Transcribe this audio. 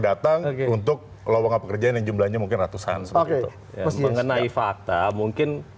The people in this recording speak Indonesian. datang untuk lowongan pekerjaan yang jumlahnya mungkin ratusan seperti itu mengenai fakta mungkin